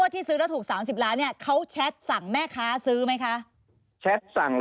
เก็บการสนทนาหรือครับ